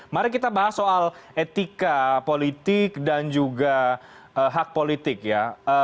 mari kita bahas soal etika politik dan juga hak politik ya